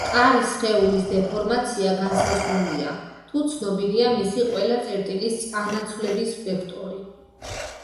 მყარი სხეულის დეფორმაცია განსაზღვრულია, თუ ცნობილია მისი ყველა წერტილის წანაცვლების ვექტორი.